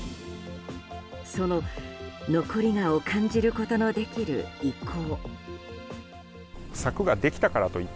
その残り香を感じることのできる遺構。